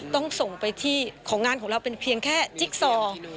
ต้องส่งไปที่ของงานของเราเป็นเพียงแค่จิ๊กซอ